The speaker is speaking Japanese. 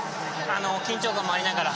緊張感もありながら。